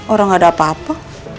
orang ada apa apa